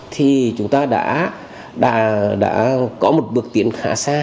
thì chúng ta đã có một bước tiến khá xa